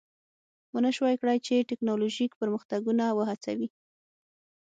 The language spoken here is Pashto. ونشوای کړای چې ټکنالوژیک پرمختګونه وهڅوي